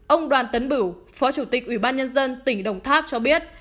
ông đoàn tấn bửu phó chủ tịch ủy ban nhân dân tỉnh đồng tháp cho biết